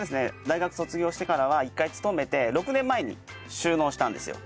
大学卒業してからは一回勤めて６年前に就農したんですよ。